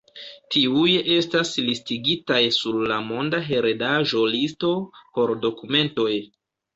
Tiuj estas listigitaj sur la monda heredaĵo-listo por dokumentoj.